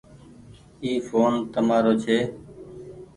اي ڦون تمآرو ڇي۔